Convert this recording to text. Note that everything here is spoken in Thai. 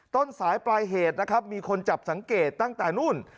ต้นสายปลายเหตุนะครับมีคนจับสังเกตตั้งแต่นู่น